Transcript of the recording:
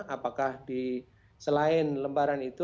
apakah di selain lembaran itu